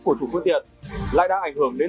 của chủ phương tiện lại đã ảnh hưởng đến